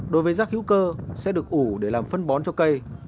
đối với rác hữu cơ sẽ được ủ để làm phân bón cho cây